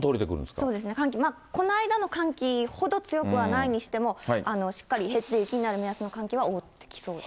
そうですね、こないだの寒気ほど強くはないにしても、しっかりした雪になる寒気は覆ってきそうです。